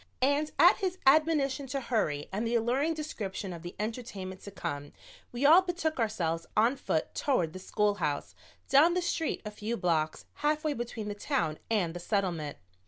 And at his admonition to hurry and the alluring description of the entertainment to come, we all betook ourselves on foot toward the schoolhouse down the street a few blocks, halfway between the Town and the Settlement.